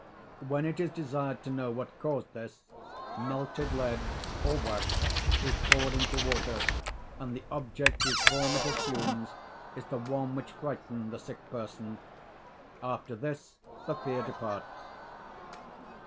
When it is desired to know what caused this, melted lead or wax is poured into water, and the object whose form it assumes is the one which frightened the sick person; after this, the fear departs.